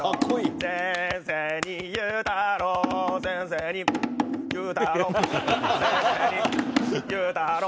「先生に言うたろ」